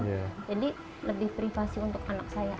jadi lebih privasi untuk anak saya aja